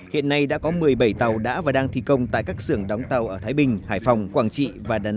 hiện nay đã có một mươi bảy tàu đã và đang thi công tại các xưởng đóng tàu ở thái bình hải phòng quảng trị và đà nẵng